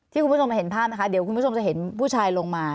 คุณผู้ชมเห็นภาพนะคะเดี๋ยวคุณผู้ชมจะเห็นผู้ชายลงมา